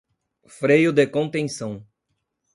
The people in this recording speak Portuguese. Freio de contenção